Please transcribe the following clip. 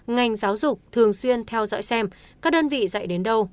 ngành giáo dục thường xuyên theo dõi xem các đơn vị dạy đến đâu